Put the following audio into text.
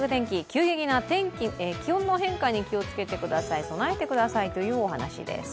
急激な気温の変化に気をつけてください、備えてくださいというお話です。